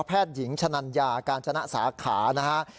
แพทย์หญิงชะนัญญาการจนะสาขานะครับ